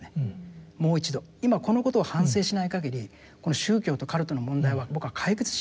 今このことを反省しないかぎりこの宗教とカルトの問題は僕は解決しないと思うんですよ。